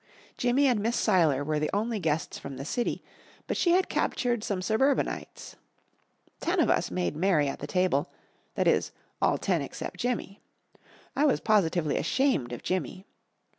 Jimmy and Miss Seiler were the only guests from the city, but she had captured some suburbanites. Ten of us made merry at the table that is, all ten except Jimmy. I was positively ashamed of Jimmy.